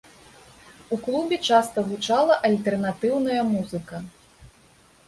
У клубе часта гучала альтэрнатыўная музыка.